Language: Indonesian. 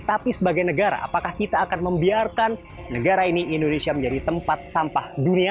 tapi sebagai negara apakah kita akan membiarkan negara ini indonesia menjadi tempat sampah dunia